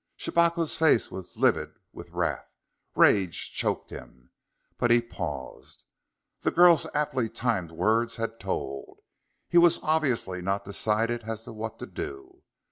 Shabako's face was livid with wrath; rage choked him; but he paused. The girl's aptly timed words had told. He was obviously not decided as to what to do.